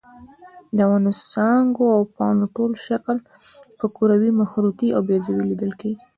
د ونو څانګو او پاڼو ټول شکل په کروي، مخروطي او بیضوي لیدل کېږي.